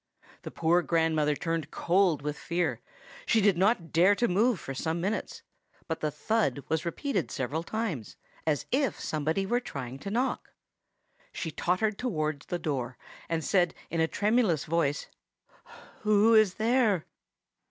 The poor grandmother turned cold with fear; she did not dare to move for some minutes; but the thud was repeated several times, as if somebody were trying to knock. She tottered towards the door, and said in a tremulous voice, "Who is there?"